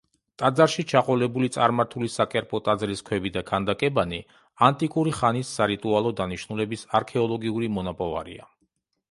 ტაძარში ჩაყოლებული წარმართული საკერპო ტაძრის ქვები და ქანდაკებანი ანტიკური ხანის სარიტუალო დანიშნულების არქეოლოგიური მონაპოვარია.